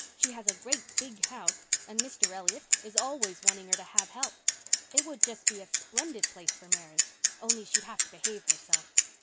She has a great big house and Mr. Elliott is always wanting her to have help. It would be just a splendid place for Mary. Only she'd have to behave herself."